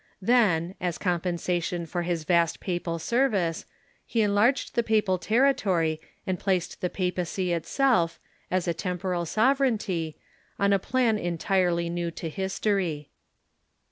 Then, as compensation for his vast papal service, he enlarged the papal territory and placed the papacy itself, as a temporal sovereignty, on a plan entirely new to history.